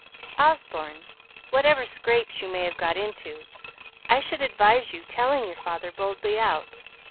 "Osborne, whatever scrapes you may have got into, I should advise your telling your father boldly out.